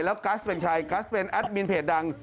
แล้วกัสเป็นใครกัสเป็นแอดมินเพจดัง